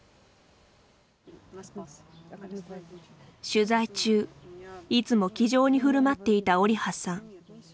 取材中、いつも気丈にふるまっていたオリハさん。